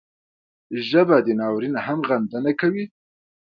ژبه د ناورین هم غندنه کوي